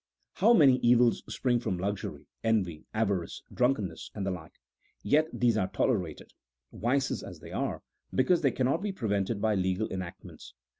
How many evils spring from luxury, envy, avarice, drunkenness, and the like, yet these are tolerated — vices as they are — because they cannot be prevented by legal enactments.